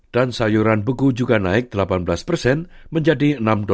dan sayuran begu juga naik delapan belas persen menjadi enam lima puluh